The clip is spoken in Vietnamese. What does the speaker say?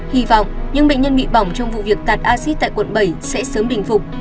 hy vọng những bệnh nhân bị bỏng trong vụ việc tạt acid tại quận bảy sẽ sớm bình phục